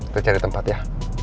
kita cari tempat ya